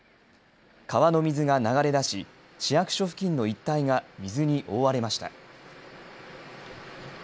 川の水が流れ出し市役所付近の一帯が水に覆われました。